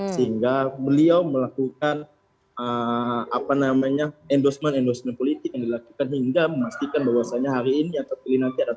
sehingga beliau melakukan endorsement endorsement politik yang dilakukan hingga memastikan bahwasannya hari ini yang terpilih nanti ada tiga